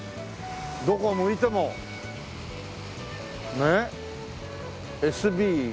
どこ向いてもねえ。